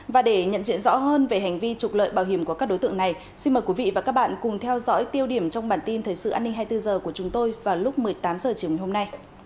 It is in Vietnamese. và để nhận diện rõ hơn về hành vi trục lợi bảo hiểm của các đối tượng này xin mời quý vị và các bạn cùng theo dõi tiêu điểm trong bản tin thời sự an ninh hai mươi bốn h của chúng tôi vào lúc một mươi tám h chiều ngày hôm nay